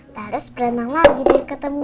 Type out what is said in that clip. terus berenang lagi deh ketemu papa